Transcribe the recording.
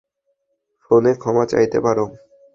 ফোনে ক্ষমা চাইতে পারো।